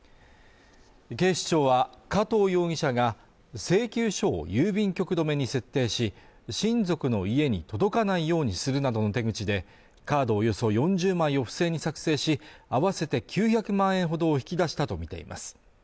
警視庁は加藤容疑者が、請求書を郵便局留めに設定し、親族の家に届かないようにするなどの手口で、カードおよそ４０枚を不正に作成し、あわせて９００万円ほど引き出したとみています。